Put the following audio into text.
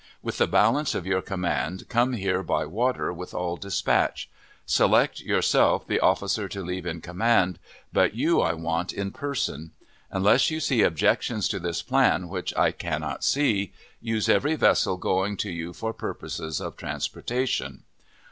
With the balance of your command come here by water with all dispatch. Select yourself the officer to leave in command, but you I want in person. Unless you see objections to this plan which I cannot see, use every vessel going to you for purposes of transportation.